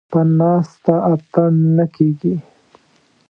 ـ په ناسته اتڼ نه کېږي.